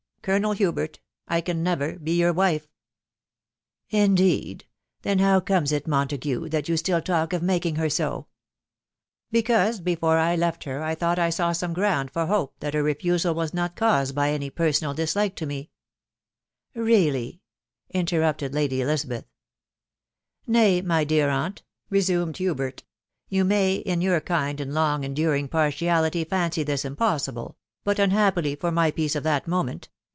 Colonel Hubert, I can never be your wife." " Indeed !..., Then how comes it, Montague, that you still talk of making her so ?"" Because, before I left her, I thought \ w* ie«afc ^gwro^ e e 3 4££ THE WIDOW BAJCTABS'. For hope that her refusal was not caused by any like to roe." " Really !" interrupted Lady Elisabeth. 4t Nay, my dear aunt," resumed Hubert, "yom may in jour kind and long enduring partiality fancy this impassible; hut, unhappily for my peace at that moment, I